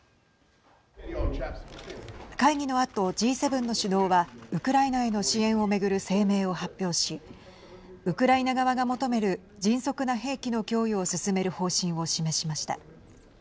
会議のあと、Ｇ７の首脳はウクライナへの支援を巡る声明を発表しウクライナ側が求める迅速な兵器の供与を進める方針を示しました。